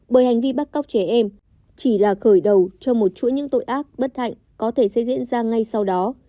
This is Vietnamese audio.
bởi hành vi bắt cóc trẻ em chỉ là khởi đầu cho một chuỗi những tội ác bất hạnh có thể sẽ diễn ra ngay sau đó